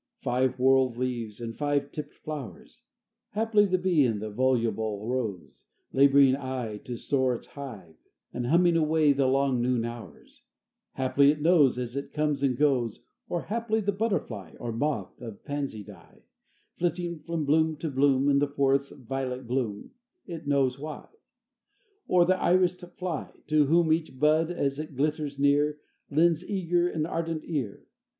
Five whorled leaves and five tipped flowers? Haply the bee i' the voluble rose, Laboring aye to store its hive, And humming away the long noon hours, Haply it knows as it comes and goes: Or haply the butterfly, Or moth of pansy dye, Flitting from bloom to bloom In the forest's violet gloom, It knows why: Or the irised fly, to whom Each bud, as it glitters near, Lends eager and ardent ear.